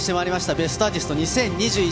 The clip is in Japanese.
『ベストアーティスト２０２１』。